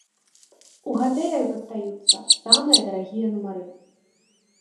У гатэлях застаюцца самыя дарагія нумары.